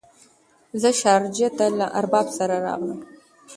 زه شارجه ته له ارباب سره راغلم.